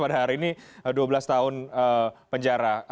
pada hari ini dua belas tahun penjara